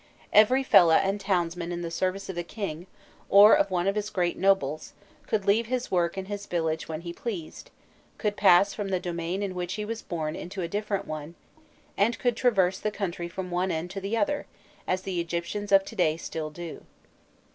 Every fellah and townsman in the service of the king, or of one of his great nobles, could leave his work and his village when he pleased, could pass from the domain in which he was born into a different one, and could traverse the country from one end to the other, as the Egyptians of to day still do.